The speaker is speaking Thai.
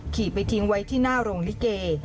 ขี่ไปทิ้งไว้ที่หน้าโรงลิเก